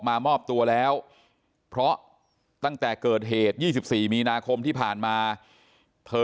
มามอบตัวแล้วเพราะตั้งแต่เกิดเหตุ๒๔มีนาคมที่ผ่านมาเธอ